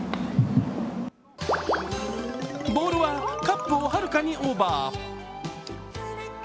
ボールはカップをはるかにオーバー。